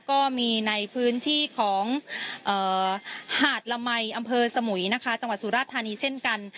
ก็มีในพื้นที่ของหาดละมัยอำเภอสมุยนะคะจังหวัดสุราชธานีเช่นกัน